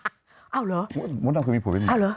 อ้าวเหรออ้าวเหรอมะเร็งคือมีผัวเป็นหมอ